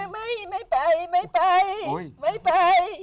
ไม่ไปไม่ไปไม่ไป